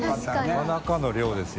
なかなかの量ですよ。